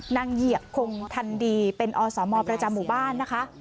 เหยียบคงทันดีเป็นอสมประจำหมู่บ้านนะคะ